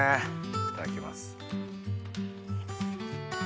いただきます。